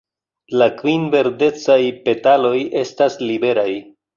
La kvin verdecaj petaloj estas liberaj.